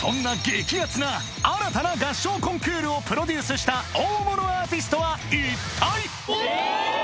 激アツな新たな合唱コンクールをプロデュースした大物アーティストは一体？